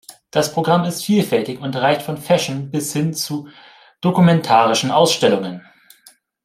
Das Programm ist vielfältig und reicht von Fashion bis hin zu dokumentarischen Ausstellungen.